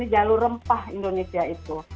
jalur rempah indonesia itu